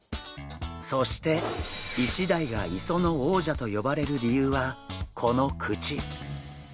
そしてイシダイが磯の王者と呼ばれる理由はこの口！